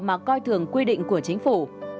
mà coi thường quy định của chính phủ